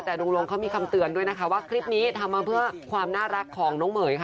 แต่ลุงลงเขามีคำเตือนด้วยนะคะว่าคลิปนี้ทำมาเพื่อความน่ารักของน้องเหม๋ยค่ะ